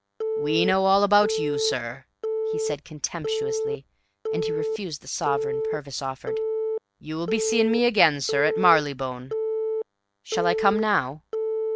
"We know all about YOU, sir," said he contemptuously, and he refused the sovereign Purvis proffered. "You will be seeing me again, sir, at Marylebone." "Shall I come now?"